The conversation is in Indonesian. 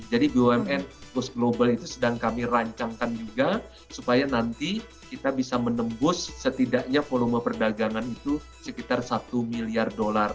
jadi bumn ghost global itu sedang kami rancangkan juga supaya nanti kita bisa menembus setidaknya volume perdagangan itu sekitar sepuluh perusahaan besar indonesia